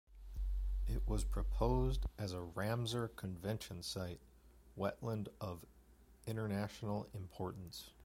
It was proposed as a "Ramsar Convention site - Wetland of International importance".